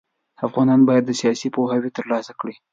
افغانان بايد سياسي پوهاوی ترلاسه کړي.